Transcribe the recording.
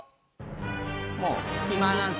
もう隙間なんて。